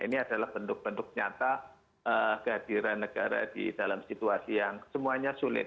ini adalah bentuk bentuk nyata kehadiran negara di dalam situasi yang semuanya sulit